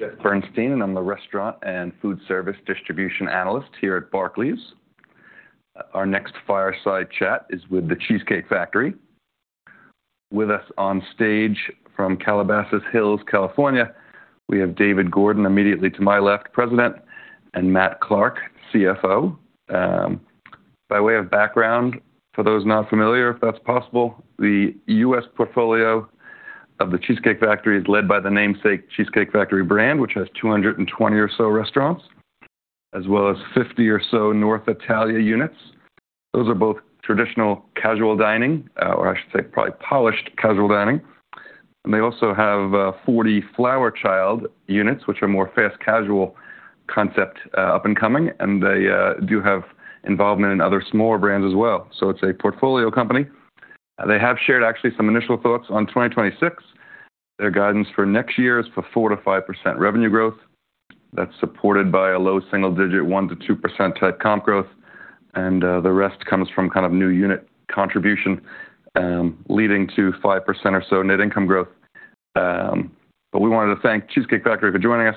Good morning. My name is Jeff Bernstein, and I'm the restaurant and food service distribution analyst here at Barclays. Our next fireside chat is with the Cheesecake Factory. With us on stage from Calabasas Hills, California, we have David Gordon, immediately to my left, president, and Matt Clark, CFO. By way of background, for those not familiar, if that's possible, the U.S. portfolio of the Cheesecake Factory is led by the namesake Cheesecake Factory brand, which has 220 or so restaurants, as well as 50 or so North Italia units. Those are both traditional casual dining, or I should say probably polished casual dining. And they also have 40 Flower Child units, which are more fast casual concept up and coming, and they do have involvement in other smaller brands as well. So it's a portfolio company. They have shared, actually, some initial thoughts on 2026. Their guidance for next year is for 4%-5% revenue growth. That's supported by a low single-digit 1%-2% type comp growth, and the rest comes from kind of new unit contribution leading to 5% or so net income growth, but we wanted to thank Cheesecake Factory for joining us,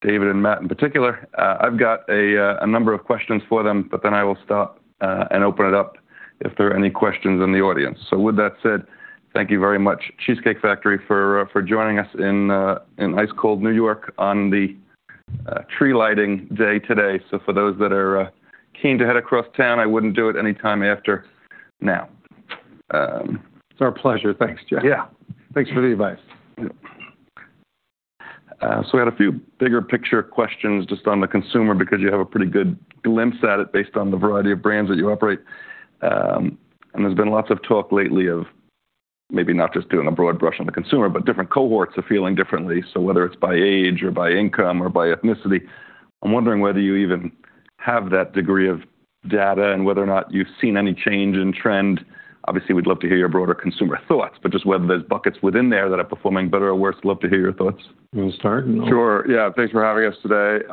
David and Matt in particular. I've got a number of questions for them, but then I will stop and open it up if there are any questions in the audience. So with that said, thank you very much, Cheesecake Factory, for joining us in ice-cold New York on the tree-lighting day today, so for those that are keen to head across town, I wouldn't do it any time after now. It's our pleasure. Thanks, Jeff. Yeah. Thanks for the advice. So we had a few bigger picture questions just on the consumer because you have a pretty good glimpse at it based on the variety of brands that you operate. And there's been lots of talk lately of maybe not just doing a broad brush on the consumer, but different cohorts are feeling differently. So whether it's by age or by income or by ethnicity, I'm wondering whether you even have that degree of data and whether or not you've seen any change in trend. Obviously, we'd love to hear your broader consumer thoughts, but just whether there's buckets within there that are performing better or worse. Love to hear your thoughts. You want to start? Sure. Yeah. Thanks for having us today.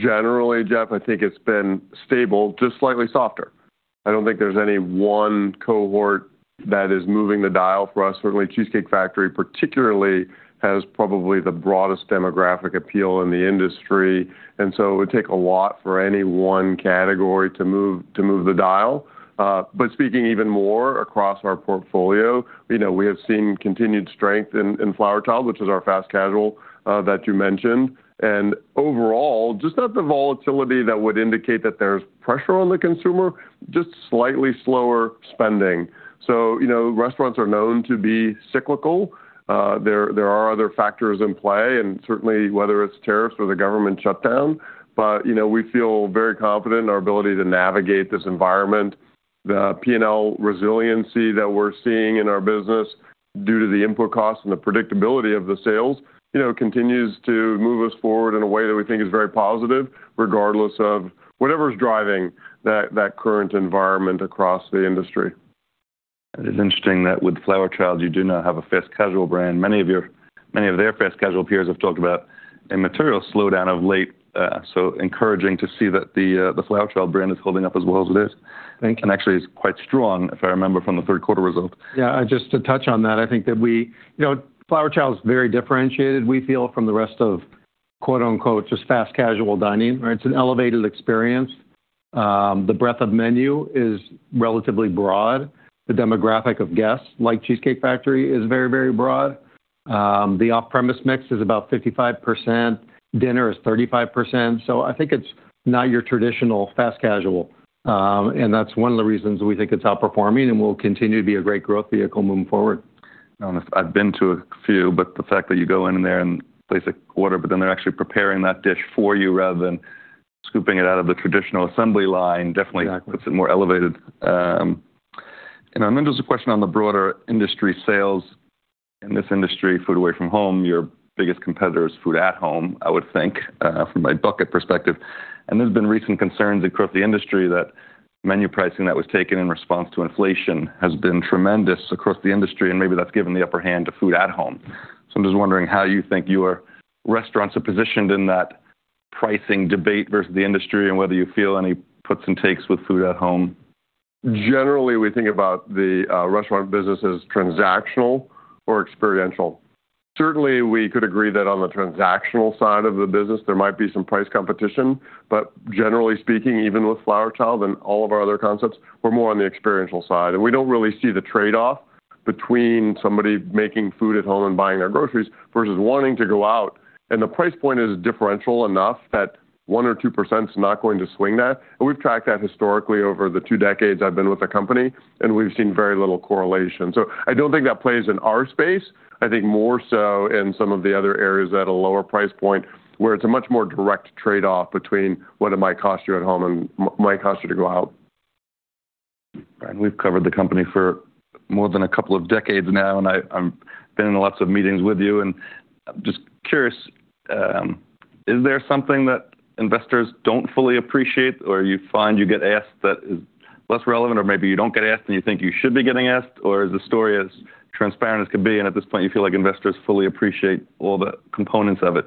Generally, Jeff, I think it's been stable, just slightly softer. I don't think there's any one cohort that is moving the dial for us. Certainly, Cheesecake Factory particularly has probably the broadest demographic appeal in the industry, and so it would take a lot for any one category to move the dial, but speaking even more across our portfolio, we have seen continued strength in Flower Child, which is our fast casual that you mentioned, and overall, just not the volatility that would indicate that there's pressure on the consumer, just slightly slower spending, so restaurants are known to be cyclical. There are other factors in play, and certainly whether it's tariffs or the government shutdown, but we feel very confident in our ability to navigate this environment. The P&L resiliency that we're seeing in our business due to the input costs and the predictability of the sales continues to move us forward in a way that we think is very positive, regardless of whatever's driving that current environment across the industry. It is interesting that with Flower Child, you do now have a fast casual brand. Many of their fast casual peers have talked about a material slowdown of late. So encouraging to see that the Flower Child brand is holding up as well as it is. Thank you. And actually is quite strong, if I remember, from the third quarter results. Yeah. Just to touch on that, I think that we Flower Child is very differentiated, we feel, from the rest of "just fast casual dining." It's an elevated experience. The breadth of menu is relatively broad. The demographic of guests like Cheesecake Factory is very, very broad. The off-premise mix is about 55%. Dinner is 35%. So I think it's not your traditional fast casual. And that's one of the reasons we think it's outperforming and will continue to be a great growth vehicle moving forward. I've been to a few, but the fact that you go in there and place an order, but then they're actually preparing that dish for you rather than scooping it out of the traditional assembly line definitely puts it more elevated. And then there's a question on the broader industry sales. In this industry, food away from home, your biggest competitor is food at home, I would think, from a bucket perspective. And there's been recent concerns across the industry that menu pricing that was taken in response to inflation has been tremendous across the industry, and maybe that's given the upper hand to food at home. So I'm just wondering how you think your restaurants are positioned in that pricing debate versus the industry and whether you feel any puts and takes with food at home. Generally, we think about the restaurant business as transactional or experiential. Certainly, we could agree that on the transactional side of the business, there might be some price competition, but generally speaking, even with Flower Child and all of our other concepts, we're more on the experiential side, and we don't really see the trade-off between somebody making food at home and buying their groceries versus wanting to go out. And the price point is differential enough that 1% or 2% is not going to swing that, and we've tracked that historically over the two decades I've been with the company, and we've seen very little correlation, so I don't think that plays in our space. I think more so in some of the other areas at a lower price point where it's a much more direct trade-off between what it might cost you at home and what it might cost you to go out. We've covered the company for more than a couple of decades now, and I've been in lots of meetings with you, and I'm just curious, is there something that investors don't fully appreciate, or you find you get asked that is less relevant, or maybe you don't get asked and you think you should be getting asked, or is the story as transparent as it can be, and at this point, you feel like investors fully appreciate all the components of it?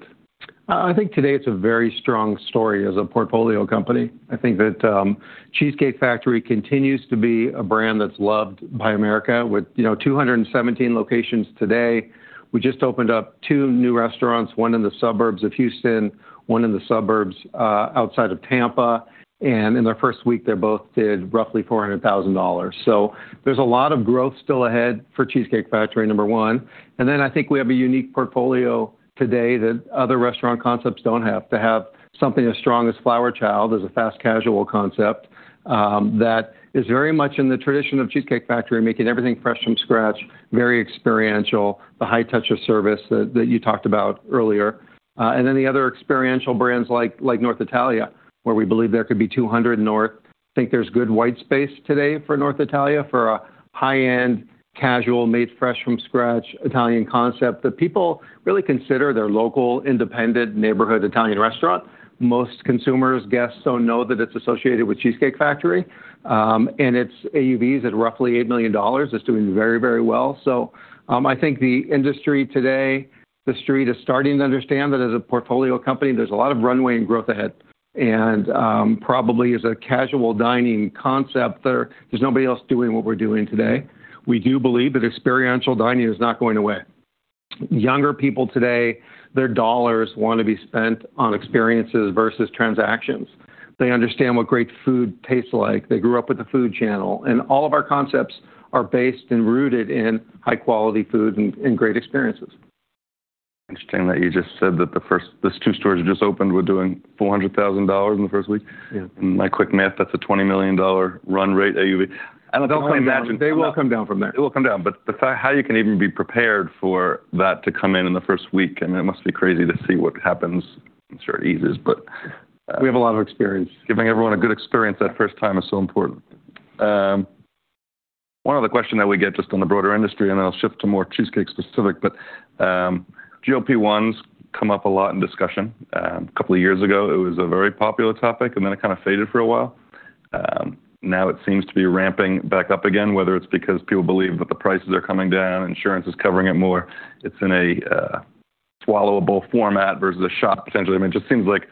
I think today it's a very strong story as a portfolio company. I think that Cheesecake Factory continues to be a brand that's loved by America with 217 locations today. We just opened up two new restaurants, one in the suburbs of Houston, one in the suburbs outside of Tampa. And in their first week, they both did roughly $400,000. So there's a lot of growth still ahead for Cheesecake Factory, number one. And then I think we have a unique portfolio today that other restaurant concepts don't have, to have something as strong as Flower Child as a fast casual concept that is very much in the tradition of Cheesecake Factory, making everything fresh from scratch, very experiential, the high touch of service that you talked about earlier. And then the other experiential brands like North Italia, where we believe there could be 200 north. I think there's good white space today for North Italia for a high-end casual made fresh from scratch Italian concept that people really consider their local independent neighborhood Italian restaurant. Most consumers, guests don't know that it's associated with Cheesecake Factory, and its AUV is at roughly $8 million. It's doing very, very well, so I think the industry today, the street is starting to understand that as a portfolio company, there's a lot of runway and growth ahead, and probably as a casual dining concept, there's nobody else doing what we're doing today. We do believe that experiential dining is not going away. Younger people today, their dollars want to be spent on experiences versus transactions. They understand what great food tastes like. They grew up with the food channel, and all of our concepts are based and rooted in high-quality food and great experiences. Interesting that you just said that the first, these two stores you just opened were doing $400,000 in the first week. My quick math, that's a $20 million run rate AUV. They'll come down from there. It will come down from there. It will come down. But the fact how you can even be prepared for that to come in in the first week, I mean, it must be crazy to see what happens. I'm sure it eases, but. We have a lot of experience. Giving everyone a good experience that first time is so important. One other question that we get just on the broader industry, and I'll shift to more cheesecake specific, but GLP-1s come up a lot in discussion. A couple of years ago, it was a very popular topic, and then it kind of faded for a while. Now it seems to be ramping back up again, whether it's because people believe that the prices are coming down, insurance is covering it more, it's in a swallowable format versus a shot potentially. I mean, it just seems like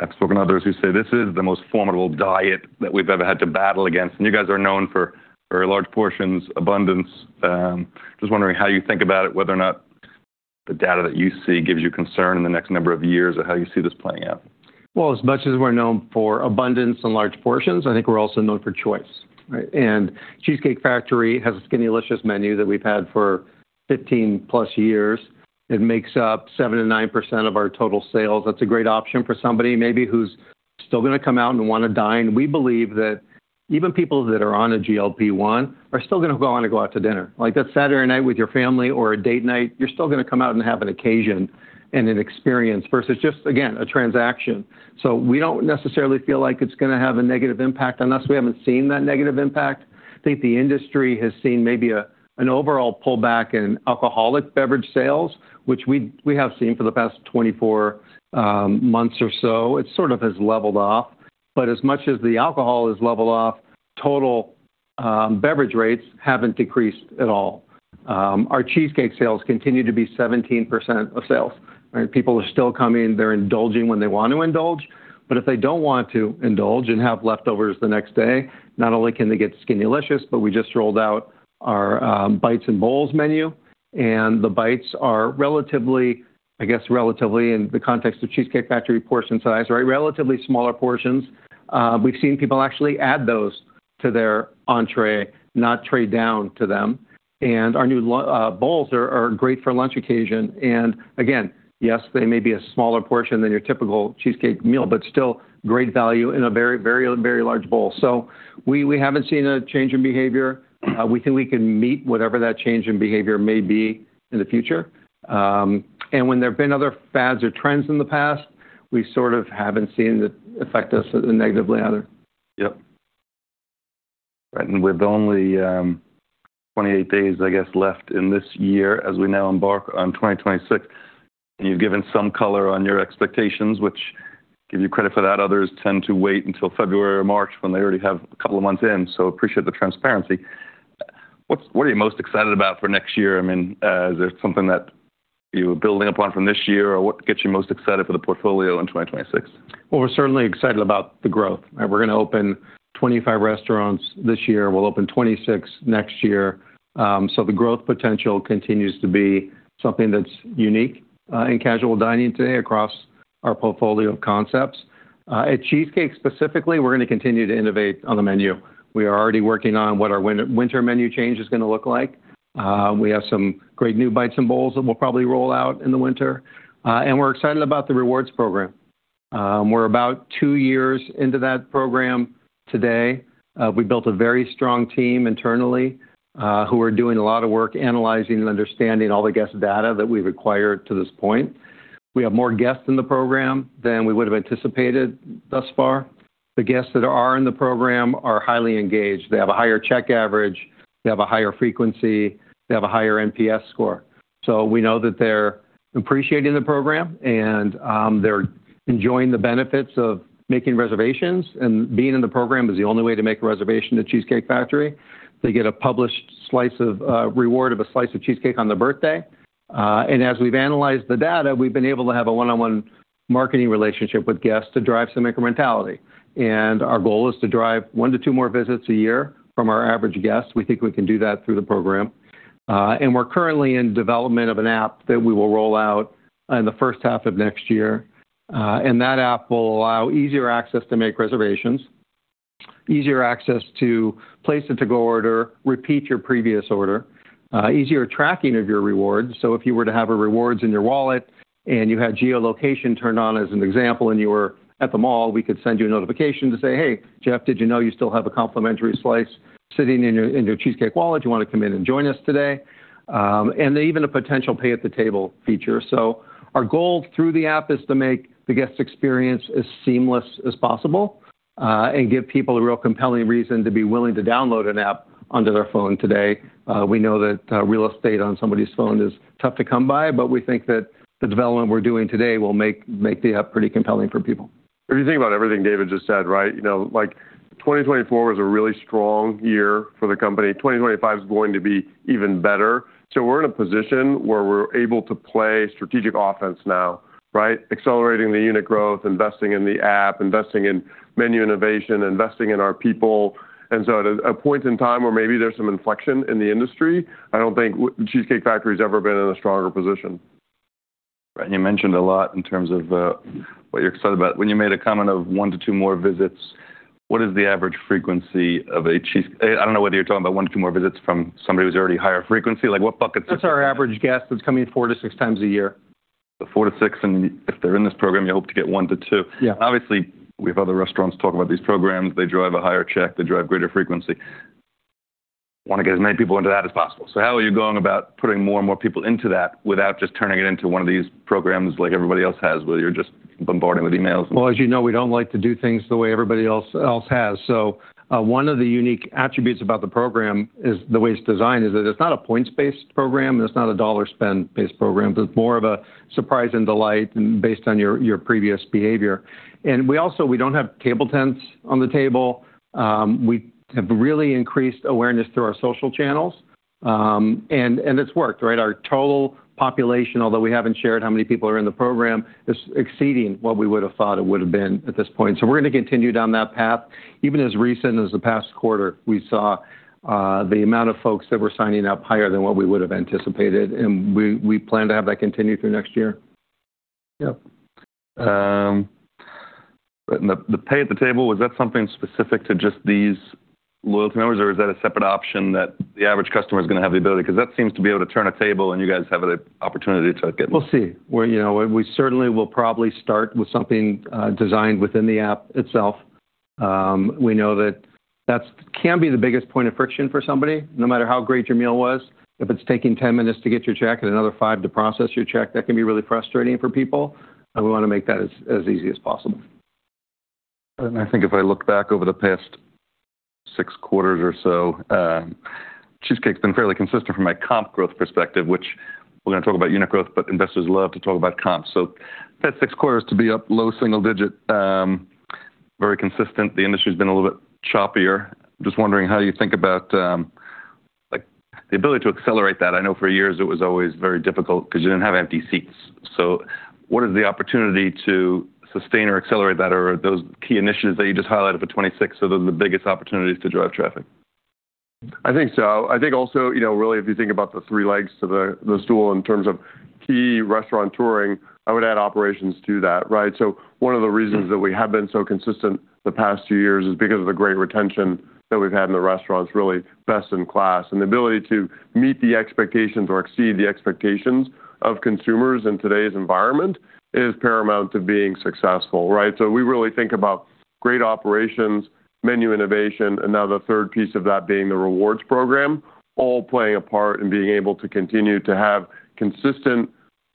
I've spoken to others who say this is the most formidable diet that we've ever had to battle against, and you guys are known for very large portions, abundance. Just wondering how you think about it, whether or not the data that you see gives you concern in the next number of years or how you see this playing out? As much as we're known for abundance and large portions, I think we're also known for choice. Cheesecake Factory has a SkinnyLicious menu that we've had for 15-plus years. It makes up 7%-9% of our total sales. That's a great option for somebody maybe who's still going to come out and want to dine. We believe that even people that are on a GLP-1 are still going to want to go out to dinner. Like that Saturday night with your family or a date night, you're still going to come out and have an occasion and an experience versus just, again, a transaction. We don't necessarily feel like it's going to have a negative impact on us. We haven't seen that negative impact. I think the industry has seen maybe an overall pullback in alcoholic beverage sales, which we have seen for the past 24 months or so. It sort of has leveled off. But as much as the alcohol has leveled off, total beverage rates haven't decreased at all. Our cheesecake sales continue to be 17% of sales. People are still coming. They're indulging when they want to indulge. But if they don't want to indulge and have leftovers the next day, not only can they get SkinnyLicious, but we just rolled out our Bites and Bowls menu. And the bites are relatively, I guess, relatively smaller portions. We've seen people actually add those to their entrée, not trade down to them. And our new bowls are great for a lunch occasion. Again, yes, they may be a smaller portion than your typical cheesecake meal, but still great value in a very, very, very large bowl. We haven't seen a change in behavior. We think we can meet whatever that change in behavior may be in the future. When there have been other fads or trends in the past, we sort of haven't seen it affect us negatively either. Yep. And with only 28 days, I guess, left in this year as we now embark on 2026, you've given some color on your expectations, which give you credit for that. Others tend to wait until February or March when they already have a couple of months in. So appreciate the transparency. What are you most excited about for next year? I mean, is there something that you're building upon from this year or what gets you most excited for the portfolio in 2026? We're certainly excited about the growth. We're going to open 25 restaurants this year. We'll open 26 next year. So the growth potential continues to be something that's unique in casual dining today across our portfolio of concepts. At Cheesecake specifically, we're going to continue to innovate on the menu. We are already working on what our winter menu change is going to look like. We have some great new Bites and Bowls that we'll probably roll out in the winter. And we're excited about the rewards program. We're about two years into that program today. We built a very strong team internally who are doing a lot of work analyzing and understanding all the guest data that we've acquired to this point. We have more guests in the program than we would have anticipated thus far. The guests that are in the program are highly engaged. They have a higher check average. They have a higher frequency. They have a higher NPS score. So we know that they're appreciating the program and they're enjoying the benefits of making reservations. And being in the program is the only way to make a reservation at Cheesecake Factory. They get a published slice of reward of a slice of cheesecake on their birthday. And as we've analyzed the data, we've been able to have a one-on-one marketing relationship with guests to drive some incrementality. And our goal is to drive one to two more visits a year from our average guests. We think we can do that through the program. And we're currently in development of an app that we will roll out in the first half of next year. And that app will allow easier access to make reservations, easier access to place a to-go order, repeat your previous order, easier tracking of your rewards. So if you were to have rewards in your wallet and you had geolocation turned on as an example and you were at the mall, we could send you a notification to say, "Hey, Jeff, did you know you still have a complimentary slice sitting in your cheesecake wallet? Do you want to come in and join us today?" And even a potential pay-at-the-table feature. So our goal through the app is to make the guest experience as seamless as possible and give people a real compelling reason to be willing to download an app onto their phone today. We know that real estate on somebody's phone is tough to come by, but we think that the development we're doing today will make the app pretty compelling for people. If you think about everything David just said, right? Like, 2024 was a really strong year for the company. 2025 is going to be even better. So we're in a position where we're able to play strategic offense now, right? Accelerating the unit growth, investing in the app, investing in menu innovation, investing in our people. And so at a point in time where maybe there's some inflection in the industry, I don't think Cheesecake Factory has ever been in a stronger position. And you mentioned a lot in terms of what you're excited about. When you made a comment of one to two more visits, what is the average frequency of a cheesecake? I don't know whether you're talking about one to two more visits from somebody who's already higher frequency. Like what buckets? That's our average guest that's coming four to six times a year. Four to six, and if they're in this program, you hope to get one to two. Obviously, we have other restaurants talk about these programs. They drive a higher check. They drive greater frequency. Want to get as many people into that as possible. How are you going about putting more and more people into that without just turning it into one of these programs like everybody else has, where you're just bombarding with emails? As you know, we don't like to do things the way everybody else has. One of the unique attributes about the program is the way it's designed is that it's not a points-based program, and it's not a dollar spend-based program. It's more of a surprise and delight based on your previous behavior. We also don't have table tents on the table. We have really increased awareness through our social channels. And it's worked, right? Our total population, although we haven't shared how many people are in the program, is exceeding what we would have thought it would have been at this point. We're going to continue down that path. Even as recently as the past quarter, we saw the amount of folks that were signing up higher than what we would have anticipated. We plan to have that continue through next year. Yep. The pay at the table, was that something specific to just these loyalty members, or is that a separate option that the average customer is going to have the ability? Because that seems to be able to turn a table, and you guys have the opportunity to get them. We'll see. We certainly will probably start with something designed within the app itself. We know that that can be the biggest point of friction for somebody. No matter how great your meal was, if it's taking 10 minutes to get your check and another five to process your check, that can be really frustrating for people, and we want to make that as easy as possible. I think if I look back over the past six quarters or so, Cheesecake has been fairly consistent from a comp growth perspective, which we're going to talk about unit growth, but investors love to talk about comps. So that six quarters to be up low single digit, very consistent. The industry has been a little bit choppier. Just wondering how you think about the ability to accelerate that. I know for years it was always very difficult because you didn't have empty seats. So what is the opportunity to sustain or accelerate that, or those key initiatives that you just highlighted for 2026? So those are the biggest opportunities to drive traffic. I think so. I think also, really, if you think about the three legs to the stool in terms of key restaurant touring, I would add operations to that, right? One of the reasons that we have been so consistent the past few years is because of the great retention that we've had in the restaurants, really best in class. The ability to meet the expectations or exceed the expectations of consumers in today's environment is paramount to being successful, right? We really think about great operations, menu innovation, and now the third piece of that being the rewards program, all playing a part in being able to continue to have consistent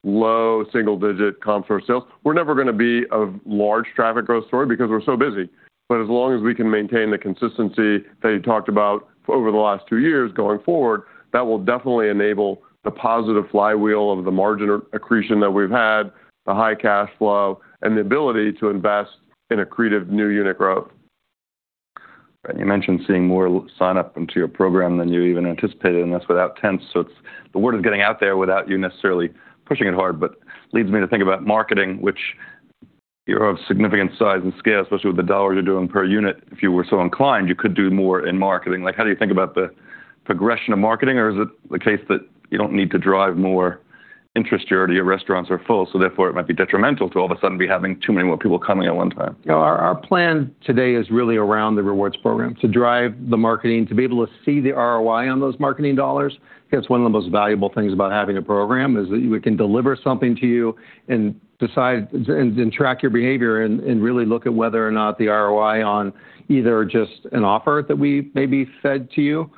low single-digit comp sales. We're never going to be a large traffic growth story because we're so busy. But as long as we can maintain the consistency that you talked about over the last two years going forward, that will definitely enable the positive flywheel of the margin accretion that we've had, the high cash flow, and the ability to invest in accretive new unit growth. And you mentioned seeing more sign-up into your program than you even anticipated, and that's without tents. So the word is getting out there without you necessarily pushing it hard, but leads me to think about marketing, which you're of significant size and scale, especially with the dollars you're doing per unit. If you were so inclined, you could do more in marketing. Like how do you think about the progression of marketing, or is it the case that you don't need to drive more interest? Your restaurants are full, so therefore it might be detrimental to all of a sudden be having too many more people coming at one time. Our plan today is really around the rewards program to drive the marketing, to be able to see the ROI on those marketing dollars. That's one of the most valuable things about having a program is that we can deliver something to you and decide and track your behavior and really look at whether or not the ROI on either just an offer that we maybe fed to you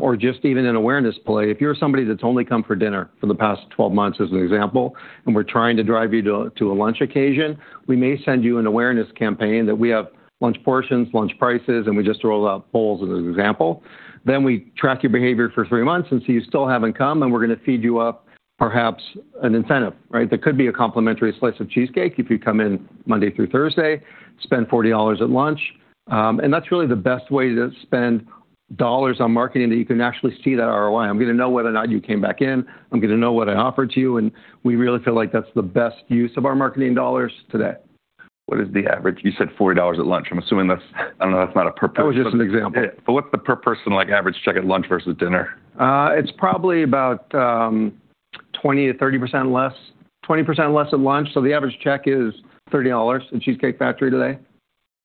or just even an awareness play. If you're somebody that's only come for dinner for the past 12 months, as an example, and we're trying to drive you to a lunch occasion, we may send you an awareness campaign that we have lunch portions, lunch prices, and we just rolled out bowls as an example. Then we track your behavior for three months and see you still haven't come, and we're going to feed you up perhaps an incentive, right? There could be a complimentary slice of cheesecake if you come in Monday through Thursday, spend $40 at lunch, and that's really the best way to spend dollars on marketing that you can actually see that ROI. I'm going to know whether or not you came back in. I'm going to know what I offered to you, and we really feel like that's the best use of our marketing dollars today. What is the average? You said $40 at lunch. I'm assuming that's, I don't know if that's not a per person. That was just an example. But what's the per person like average check at lunch versus dinner? It's probably about 20%-30% less, 20% less at lunch, so the average check is $30 at Cheesecake Factory today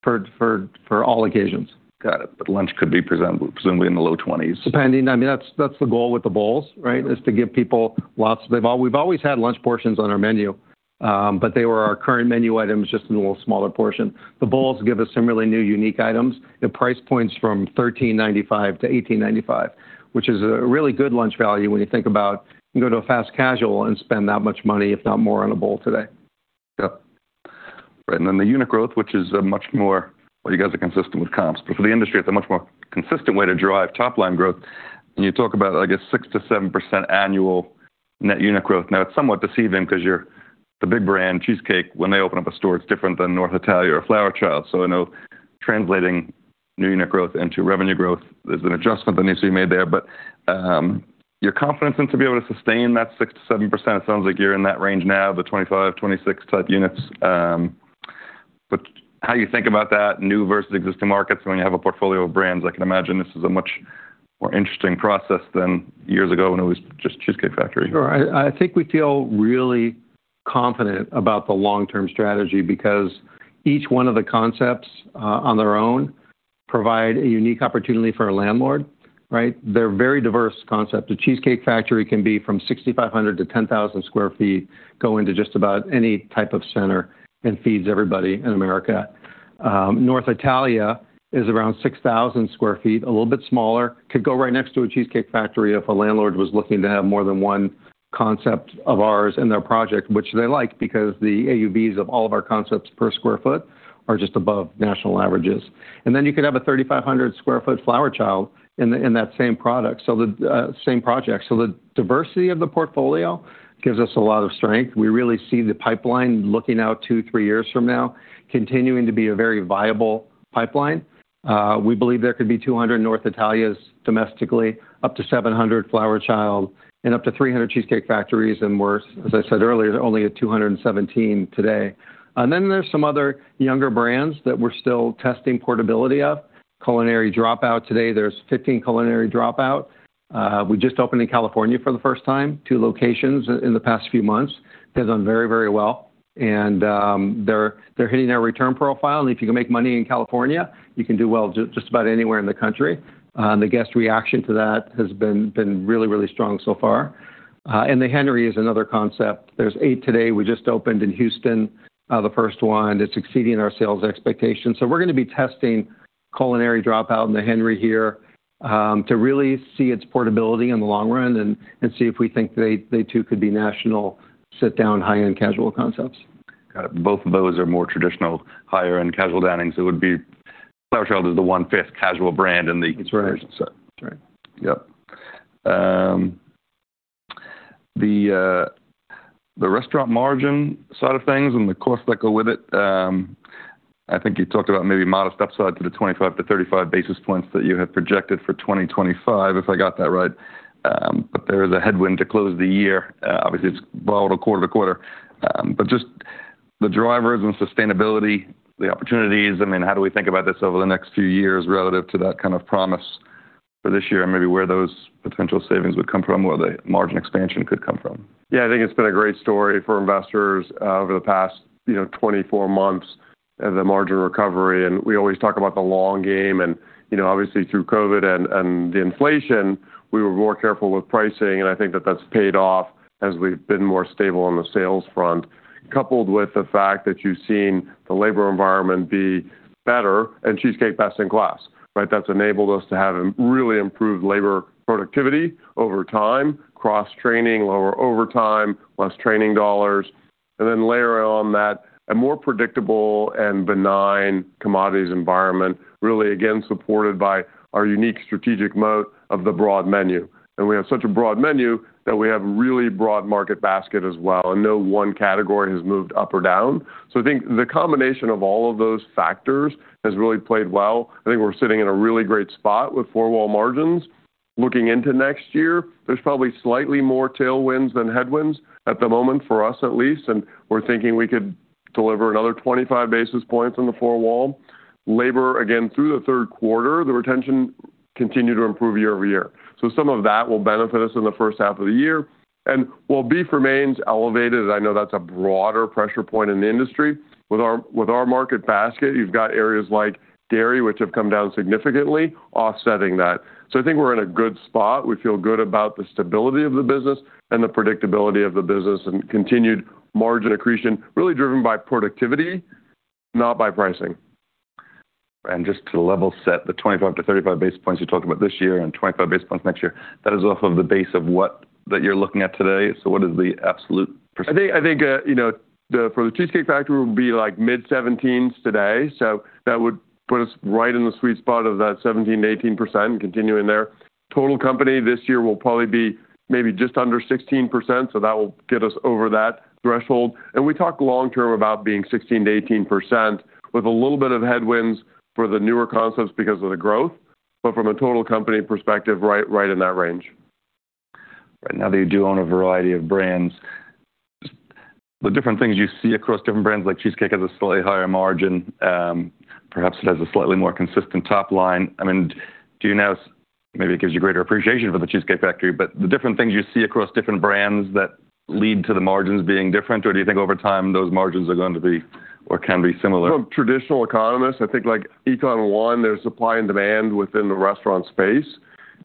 for all occasions. Got it, but lunch could be presented with presumably in the low 20s. Depending. I mean, that's the goal with the bowls, right, is to give people lots. We've always had lunch portions on our menu, but they were our current menu items just in a little smaller portion. The bowls give us some really new unique items. The price points from $13.95-$18.95, which is a really good lunch value when you think about going to a fast casual and spend that much money, if not more, on a bowl today. Yep. Right. And then the unit growth, which is much more, well, you guys are consistent with comps, but for the industry, it's a much more consistent way to drive top-line growth. And you talk about, I guess, 6%-7% annual net unit growth. Now, it's somewhat deceiving because you're the big brand cheesecake. When they open up a store, it's different than North Italia or Flower Child. So I know translating new unit growth into revenue growth is an adjustment that needs to be made there. But your confidence in to be able to sustain that 6%-7%, it sounds like you're in that range now, the 25-26 type units. But how do you think about that new versus existing markets when you have a portfolio of brands? I can imagine this is a much more interesting process than years ago when it was just Cheesecake Factory. Sure. I think we feel really confident about the long-term strategy because each one of the concepts on their own provide a unique opportunity for a landlord, right? They're very diverse concepts. A Cheesecake Factory can be from 6,500-10,000 sq ft, go into just about any type of center and feeds everybody in America. North Italia is around 6,000 sq ft, a little bit smaller, could go right next to a Cheesecake Factory if a landlord was looking to have more than one concept of ours in their project, which they like because the AUVs of all of our concepts per sq ft are just above national averages. And then you could have a 3,500 sq ft Flower Child in that same project. So the diversity of the portfolio gives us a lot of strength. We really see the pipeline looking out two, three years from now continuing to be a very viable pipeline. We believe there could be 200 North Italias domestically, up to 700 Flower Child, and up to 300 Cheesecake Factories. And we're, as I said earlier, only at 217 today. And then there's some other younger brands that we're still testing portability of. Culinary Dropout today, there's 15 Culinary Dropout. We just opened in California for the first time, two locations in the past few months. They've done very, very well. And they're hitting our return profile. And if you can make money in California, you can do well just about anywhere in the country. The guest reaction to that has been really, really strong so far. And The Henry is another concept. There's eight today. We just opened in Houston, the first one. It's exceeding our sales expectations. So we're going to be testing Culinary Dropout and The Henry here to really see its portability in the long run and see if we think they too could be national sit-down high-end casual concepts. Got it. Both of those are more traditional higher-end casual dining. So it would be Flower Child is the fast-casual brand in the conversation. That's right. Yep. The restaurant margin side of things and the cost that go with it, I think you talked about maybe modest upside to the 25-35 basis points that you had projected for 2025, if I got that right. But there is a headwind to close the year. Obviously, it's volatile quarter to quarter. But just the drivers and sustainability, the opportunities, I mean, how do we think about this over the next few years relative to that kind of promise for this year and maybe where those potential savings would come from or the margin expansion could come from? Yeah, I think it's been a great story for investors over the past 24 months of the margin recovery. And we always talk about the long game. And obviously, through COVID and the inflation, we were more careful with pricing. And I think that that's paid off as we've been more stable on the sales front, coupled with the fact that you've seen the labor environment be better and Cheesecake best in class, right? That's enabled us to have really improved labor productivity over time, cross-training, lower overtime, less training dollars. And then layer on that a more predictable and benign commodities environment, really again supported by our unique strategic moat of the broad menu. And we have such a broad menu that we have a really broad market basket as well. And no one category has moved up or down. So I think the combination of all of those factors has really played well. I think we're sitting in a really great spot with four-wall margins. Looking into next year, there's probably slightly more tailwinds than headwinds at the moment for us at least. And we're thinking we could deliver another 25 basis points on the four-wall. Labor, again, through the third quarter, the retention continued to improve year over year. So some of that will benefit us in the first half of the year. And while beef remains elevated, I know that's a broader pressure point in the industry. With our market basket, you've got areas like dairy, which have come down significantly, offsetting that. So I think we're in a good spot. We feel good about the stability of the business and the predictability of the business and continued margin accretion really driven by productivity, not by pricing. And just to level set, the 25-35 basis points you're talking about this year and 25 basis points next year, that is off of the base of what that you're looking at today. So what is the absolute percentage? I think for the Cheesecake Factory, we'll be like mid-17s today. So that would put us right in the sweet spot of that 17%-18% and continue in there. Total company this year will probably be maybe just under 16%. So that will get us over that threshold. And we talk long-term about being 16%-18% with a little bit of headwinds for the newer concepts because of the growth. But from a total company perspective, right in that range. Right. Now that you do own a variety of brands, the different things you see across different brands, like Cheesecake has a slightly higher margin. Perhaps it has a slightly more consistent top line. I mean, do you now maybe it gives you greater appreciation for the Cheesecake Factory, but the different things you see across different brands that lead to the margins being different, or do you think over time those margins are going to be or can be similar? From traditional economists, I think like Econ One, there's supply and demand within the restaurant space.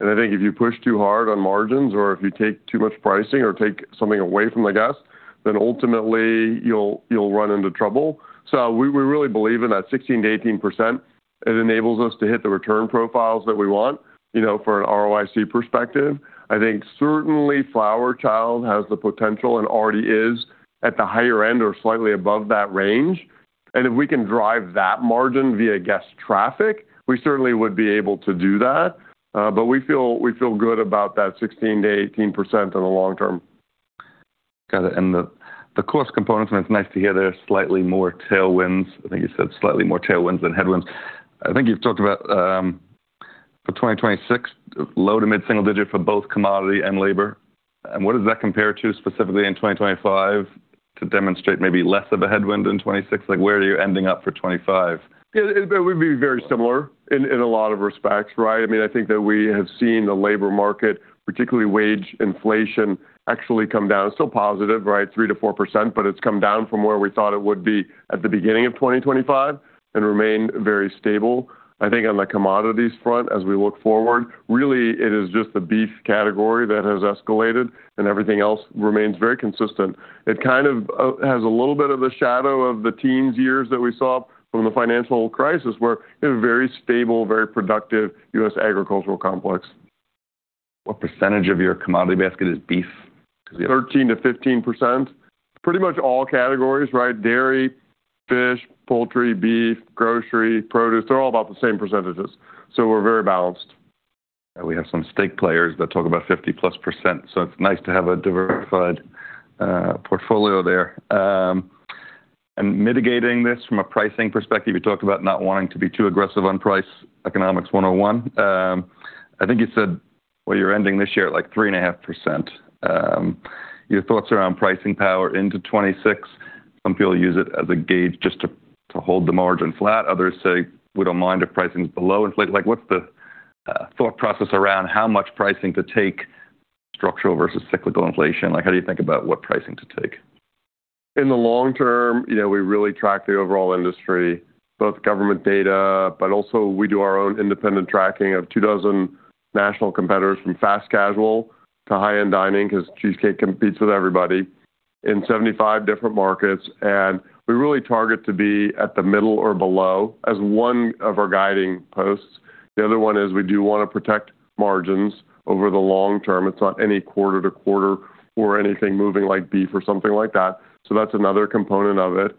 And I think if you push too hard on margins or if you take too much pricing or take something away from the guest, then ultimately you'll run into trouble. So we really believe in that 16%-18%. It enables us to hit the return profiles that we want for an ROIC perspective. I think certainly Flower Child has the potential and already is at the higher end or slightly above that range. And if we can drive that margin via guest traffic, we certainly would be able to do that. But we feel good about that 16%-18% in the long term. Got it, and the cost components, and it's nice to hear there's slightly more tailwinds. I think you said slightly more tailwinds than headwinds. I think you've talked about for 2026, low to mid-single digit for both commodity and labor, and what does that compare to specifically in 2025 to demonstrate maybe less of a headwind in 2026? Like where are you ending up for 2025? It would be very similar in a lot of respects, right? I mean, I think that we have seen the labor market, particularly wage inflation, actually come down. It's still positive, right? 3% to 4%, but it's come down from where we thought it would be at the beginning of 2025 and remained very stable. I think on the commodities front, as we look forward, really it is just the beef category that has escalated and everything else remains very consistent. It kind of has a little bit of the shadow of the teens years that we saw from the financial crisis where it was a very stable, very productive U.S. agricultural complex. What percentage of your commodity basket is beef? 13%-15%. Pretty much all categories, right? Dairy, fish, poultry, beef, grocery, produce, they're all about the same percentages. So we're very balanced. And we have some stakeholders that talk about 50-plus%. So it's nice to have a diversified portfolio there. And mitigating this from a pricing perspective, you talked about not wanting to be too aggressive on price, Economics 101. I think you said where you're ending this year at like 3.5%. Your thoughts around pricing power into 2026? Some people use it as a gauge just to hold the margin flat. Others say, "We don't mind if pricing's below inflation." Like what's the thought process around how much pricing to take structural versus cyclical inflation? Like how do you think about what pricing to take? In the long term, we really track the overall industry, both government data, but also we do our own independent tracking of two dozen national competitors from fast casual to high-end dining because Cheesecake competes with everybody in 75 different markets. And we really target to be at the middle or below as one of our guiding posts. The other one is we do want to protect margins over the long term. It's not any quarter to quarter or anything moving like beef or something like that. So that's another component of it.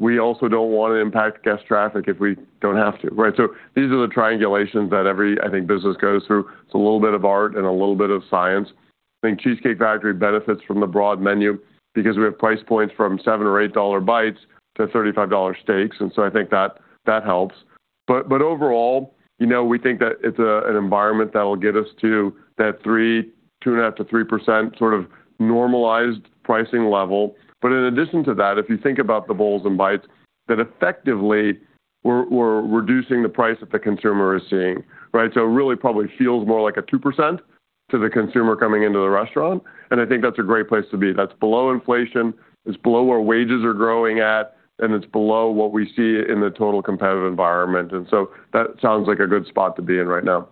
We also don't want to impact guest traffic if we don't have to, right? So these are the triangulations that every, I think, business goes through. It's a little bit of art and a little bit of science. I think Cheesecake Factory benefits from the broad menu because we have price points from $7 or $8 Bites to $35 steaks, and so I think that helps. But overall, we think that it's an environment that will get us to that 2.5%-3% sort of normalized pricing level. But in addition to that, if you think about the Bowls and Bites, that effectively we're reducing the price that the consumer is seeing, right? So it really probably feels more like a 2% to the consumer coming into the restaurant, and I think that's a great place to be. That's below inflation. It's below where wages are growing at, and it's below what we see in the total competitive environment, and so that sounds like a good spot to be in right now.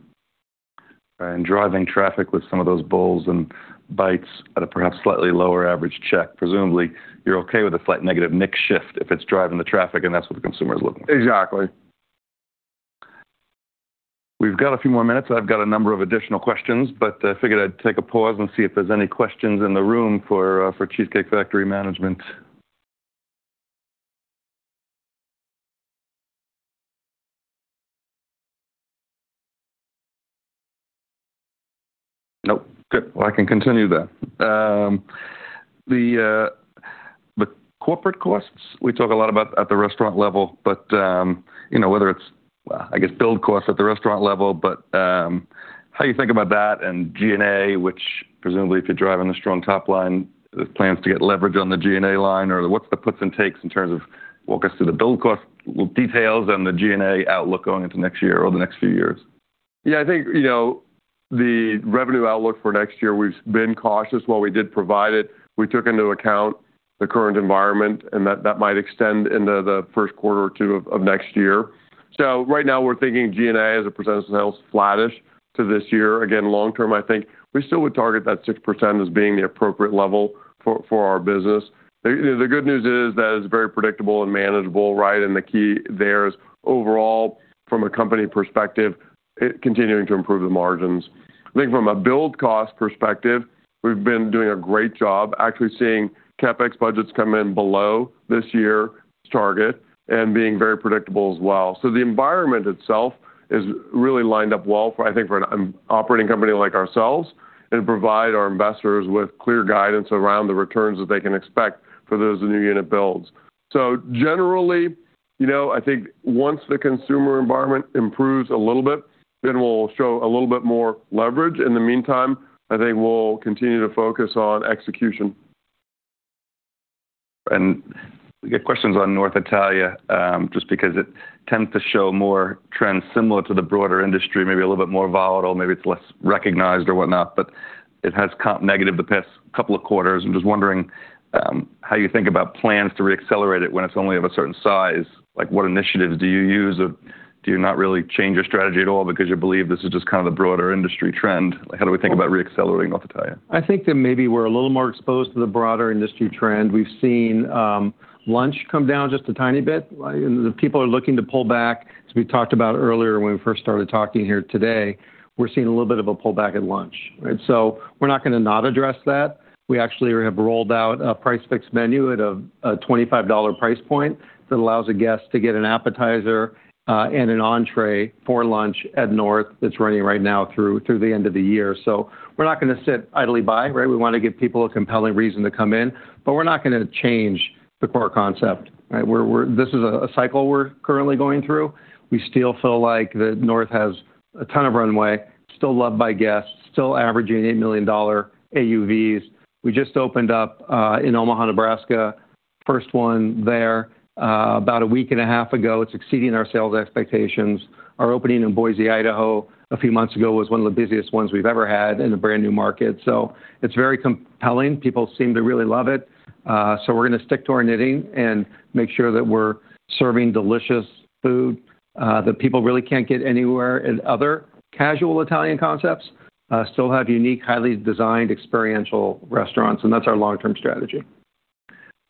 Driving traffic with some of those bowls and bites at a perhaps slightly lower average check, presumably you're okay with a slight negative mix shift if it's driving the traffic and that's what the consumer is looking for. Exactly. We've got a few more minutes. I've got a number of additional questions, but I figured I'd take a pause and see if there's any questions in the room for Cheesecake Factory management. Nope. Good. Well, I can continue there. The corporate costs, we talk a lot about at the restaurant level, but whether it's, I guess, build costs at the restaurant level, but how do you think about that and G&A, which presumably if you're driving a strong top line, it plans to get leverage on the G&A line, or what's the puts and takes in terms of walk us through the build cost details and the G&A outlook going into next year or the next few years? Yeah, I think the revenue outlook for next year. We've been cautious while we did provide it. We took into account the current environment and that might extend into the first quarter or two of next year. So right now we're thinking G&A as a percentage sales flattish to this year. Again, long term, I think we still would target that 6% as being the appropriate level for our business. The good news is that it's very predictable and manageable, right? And the key there is overall from a company perspective, continuing to improve the margins. I think from a build cost perspective, we've been doing a great job actually seeing CapEx budgets come in below this year's target and being very predictable as well. The environment itself is really lined up well, I think, for an operating company like ourselves and provide our investors with clear guidance around the returns that they can expect for those new unit builds. Generally, I think once the consumer environment improves a little bit, then we'll show a little bit more leverage. In the meantime, I think we'll continue to focus on execution. And we get questions on North Italia just because it tends to show more trends similar to the broader industry, maybe a little bit more volatile, maybe it's less recognized or whatnot, but it has comp negative the past couple of quarters. I'm just wondering how you think about plans to reaccelerate it when it's only of a certain size. Like what initiatives do you use or do you not really change your strategy at all because you believe this is just kind of the broader industry trend? Like how do we think about reaccelerating North Italia? I think that maybe we're a little more exposed to the broader industry trend. We've seen lunch come down just a tiny bit. The people are looking to pull back. As we talked about earlier when we first started talking here today, we're seeing a little bit of a pullback at lunch, right? So we're not going to not address that. We actually have rolled out a price fixed menu at a $25 price point that allows a guest to get an appetizer and an entrée for lunch at North that's running right now through the end of the year. So we're not going to sit idly by, right? We want to give people a compelling reason to come in, but we're not going to change the core concept, right? This is a cycle we're currently going through. We still feel like that North has a ton of runway, still loved by guests, still averaging $8 million AUVs. We just opened up in Omaha, Nebraska, first one there about a week and a half ago. It's exceeding our sales expectations. Our opening in Boise, Idaho, a few months ago was one of the busiest ones we've ever had in a brand new market. So it's very compelling. People seem to really love it. So we're going to stick to our knitting and make sure that we're serving delicious food that people really can't get anywhere in other casual Italian concepts, still have unique, highly designed experiential restaurants. And that's our long-term strategy.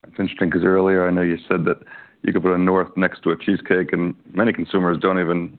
That's interesting because earlier I know you said that you could put a North next to a Cheesecake and many consumers don't even,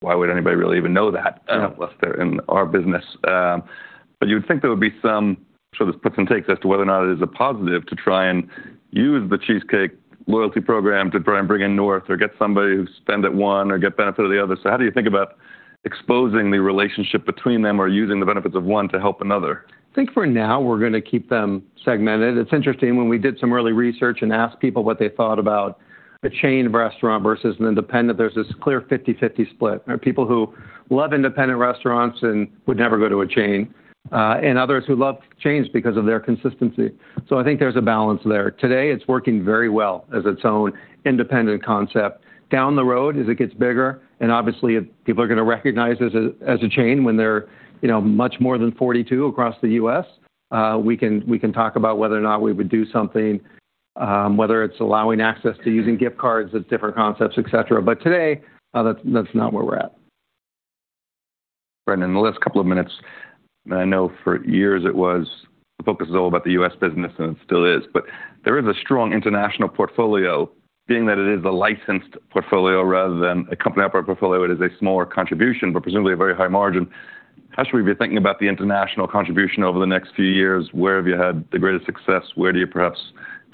why would anybody really even know that unless they're in our business? But you would think there would be some, sort of puts and takes as to whether or not it is a positive to try and use the Cheesecake loyalty program to try and bring in North or get somebody who spend at one or get benefit of the other. So how do you think about exposing the relationship between them or using the benefits of one to help another? I think for now we're going to keep them segmented. It's interesting when we did some early research and asked people what they thought about a chain of restaurant versus an independent, there's this clear 50-50 split. There are people who love independent restaurants and would never go to a chain and others who love chains because of their consistency. So I think there's a balance there. Today it's working very well as its own independent concept. Down the road, as it gets bigger and obviously people are going to recognize it as a chain when they're much more than 42 across the U.S., we can talk about whether or not we would do something, whether it's allowing access to using gift cards at different concepts, et cetera. But today, that's not where we're at. David, in the last couple of minutes, I know for years it was the focus is all about the U.S. business and it still is, but there is a strong international portfolio. Being that it is a licensed portfolio rather than a company-operated portfolio, it is a smaller contribution, but presumably a very high margin. How should we be thinking about the international contribution over the next few years? Where have you had the greatest success? Where do you perhaps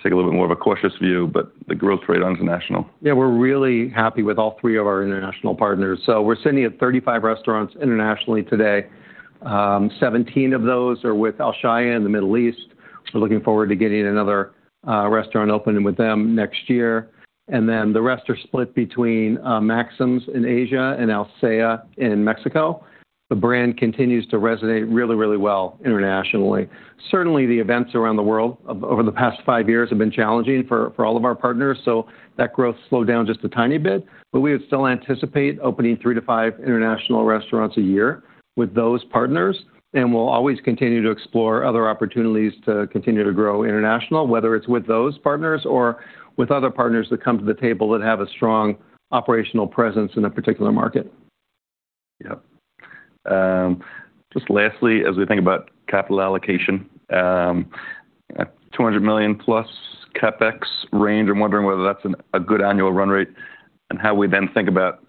take a little bit more of a cautious view, but the growth rate on international? Yeah, we're really happy with all three of our international partners, so we're sitting at 35 restaurants internationally today. 17 of those are with Alshaya in the Middle East. We're looking forward to getting another restaurant open with them next year, and then the rest are split between Maxim's in Asia and Alsea in Mexico. The brand continues to resonate really, really well internationally. Certainly, the events around the world over the past five years have been challenging for all of our partners, so that growth slowed down just a tiny bit, but we would still anticipate opening three to five international restaurants a year with those partners. And we'll always continue to explore other opportunities to continue to grow international, whether it's with those partners or with other partners that come to the table that have a strong operational presence in a particular market. Yep. Just lastly, as we think about capital allocation, $200 million plus CapEx range, I'm wondering whether that's a good annual run rate and how we then think about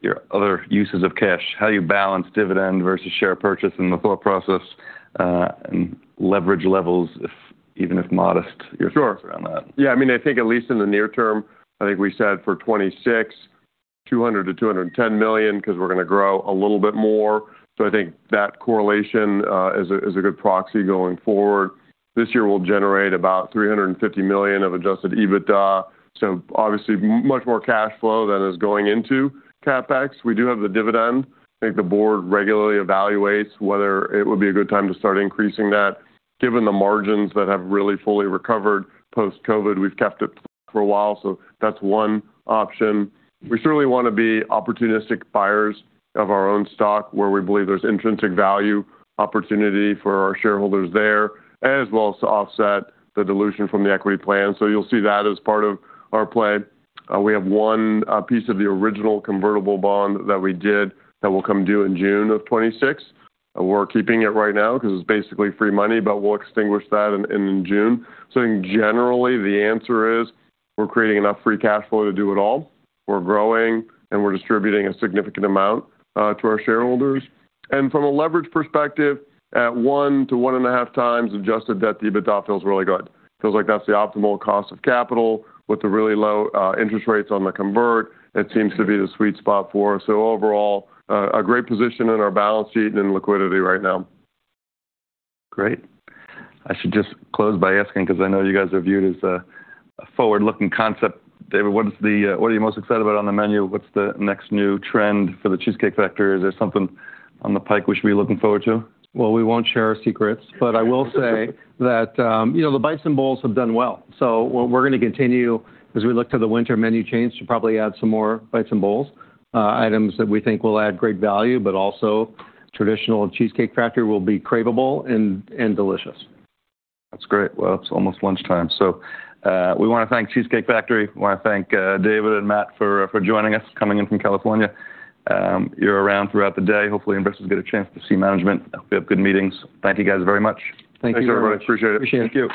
your other uses of cash, how you balance dividend versus share purchase in the thought process and leverage levels, even if modest, your thoughts around that? Sure. Yeah, I mean, I think at least in the near term, I think we said for 2026, $200 million-$210 million because we're going to grow a little bit more. So I think that correlation is a good proxy going forward. This year we'll generate about $350 million of adjusted EBITDA. So obviously much more cash flow than is going into CapEx. We do have the dividend. I think the board regularly evaluates whether it would be a good time to start increasing that. Given the margins that have really fully recovered post-COVID, we've kept it flat for a while. So that's one option. We certainly want to be opportunistic buyers of our own stock where we believe there's intrinsic value opportunity for our shareholders there, as well as to offset the dilution from the equity plan. So you'll see that as part of our play. We have one piece of the original convertible bond that we did that will come due in June of 2026. We're keeping it right now because it's basically free money, but we'll extinguish that in June, so generally, the answer is we're creating enough free cash flow to do it all. We're growing and we're distributing a significant amount to our shareholders, and from a leverage perspective, at one to one and a half times adjusted debt EBITDA feels really good. Feels like that's the optimal cost of capital with the really low interest rates on the convert. It seems to be the sweet spot for us, so overall, a great position in our balance sheet and in liquidity right now. Great. I should just close by asking because I know you guys are viewed as a forward-looking concept. David, what are you most excited about on the menu? What's the next new trend for the Cheesecake Factory? Is there something in the pipeline we should be looking forward to? We won't share our secrets, but I will say that the Bites and Bowls have done well. We're going to continue as we look to the winter menu change to probably add some more Bites and Bowls items that we think will add great value, but also traditional Cheesecake Factory will be craveable and delicious. That's great. Well, it's almost lunchtime. So we want to thank Cheesecake Factory. We want to thank David and Matt for joining us coming in from California. You're around throughout the day. Hopefully, Ambrose will get a chance to see management. Hope you have good meetings. Thank you guys very much. Thank you. Thanks very much. Appreciate it. Thank you.